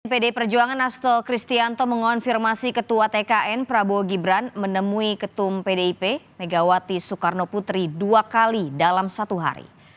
pdi perjuangan nasto kristianto mengonfirmasi ketua tkn prabowo gibran menemui ketum pdip megawati soekarno putri dua kali dalam satu hari